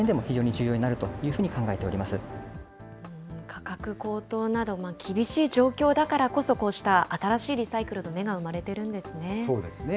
価格高騰など、厳しい状況だからこそ、こうした新しいリサイクルの芽が生まれてるんですね。